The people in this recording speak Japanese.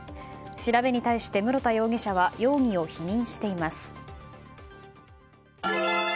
調べに対して、室田容疑者は容疑を否認しています。